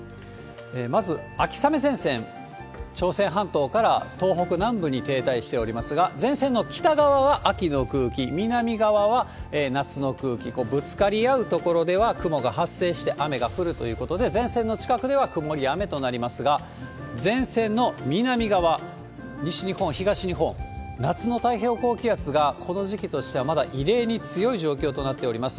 まず、秋雨前線、朝鮮半島から東北南部に停滞しておりますが、前線の北側は秋の空気、南側は夏の空気、ぶつかり合う所では雲が発生して雨が降るということで、前線の近くでは曇りや雨となりますが、前線の南側、西日本、東日本、夏の太平洋高気圧が、この時期としてはまだ異例に強い状況となっております。